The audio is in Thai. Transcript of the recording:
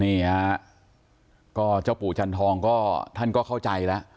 นี่ฮะก็เจ้าปู่จันทองก็ท่านก็เข้าใจแล้ว